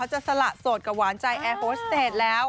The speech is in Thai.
จะสละโสดวานใจแอร์โฮสเตดแล้ว